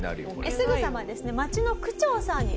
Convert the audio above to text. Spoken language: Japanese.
すぐさまですね。